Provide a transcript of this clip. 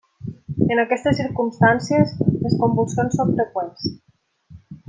En aquestes circumstàncies les convulsions són freqüents.